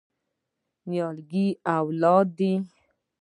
نیالګی اولاد دی؟